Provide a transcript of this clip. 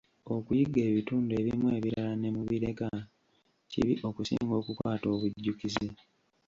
Okuyiga ebitundu ebimu ebirala ne mubireka, kibi okusinga okukwata obujjukizi.